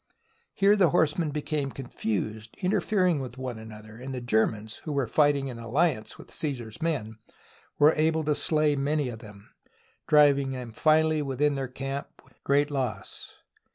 Here the horsemen became confused, interfering with one another, and the Germans, who were fighting in alliance with Caesar's men, were able to slay many of them, driving them finally within their camp with THE BOOK OF FAMOUS SIEGES great loss.